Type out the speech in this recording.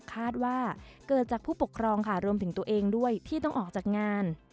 คาดว่าเกิดจากผู้ปกครองค่ะรวมถึงตัวเองด้วยที่ต้องออกจากงาน